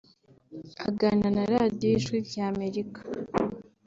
Aganira na Radio ijwi rya Amerika